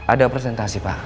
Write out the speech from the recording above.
ada presentasi pak